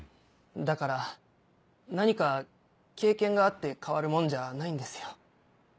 だから何か経験があって変わるもんじゃないんですよ。